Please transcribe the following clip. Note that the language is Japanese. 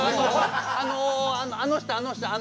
あのあのあの人あの人あの。